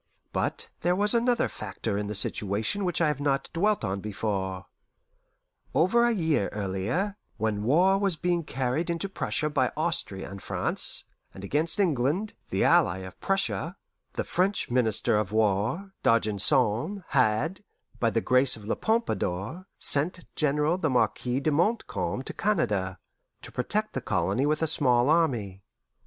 But there was another factor in the situation which I have not dwelt on before. Over a year earlier, when war was being carried into Prussia by Austria and France, and against England, the ally of Prussia, the French Minister of War, D'Argenson, had, by the grace of La Pompadour, sent General the Marquis de Montcalm to Canada, to protect the colony with a small army.